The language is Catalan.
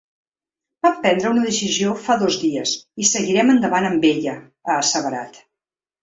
“Vam prendre una decisió fa dos dies i seguirem endavant amb ella”, ha asseverat.